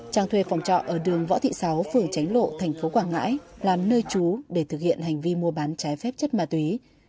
trang thuê phòng trọ ở đường võ thị sáu phường tránh lộ thành phố quảng ngãi làm nơi trú để thực hiện hành vi mua bán trái phép chất ma túy